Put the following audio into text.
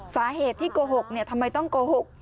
สาเหตุที่โกหกทำไมต้องโกหก